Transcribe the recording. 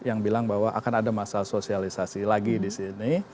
yang bilang bahwa akan ada masalah sosialisasi lagi disini